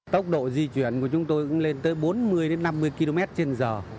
tốc độ di chuyển của chúng tôi cũng lên tới bốn mươi năm mươi km trên giờ